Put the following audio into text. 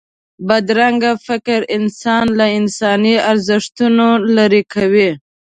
بدرنګه فکر انسان له انساني ارزښتونو لرې کوي